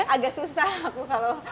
agak susah aku kalau